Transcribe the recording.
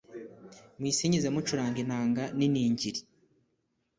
muyisingize mucuranga inanga n'iningiri